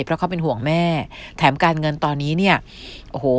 เพราะเขาเป็นห่วงแม่แถมการเงินตอนนี้เนี่ยโอ้โห